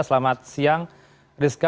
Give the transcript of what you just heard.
selamat siang rizka